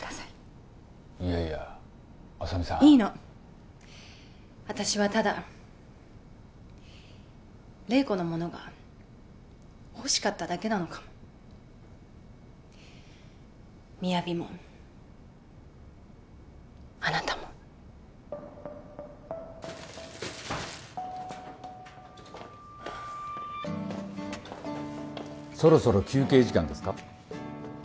いやいや麻美さんいいの私はただ麗子のものが欲しかっただけなのかも「ＭＩＹＡＶＩ」もあなたもそろそろ休憩時間ですか？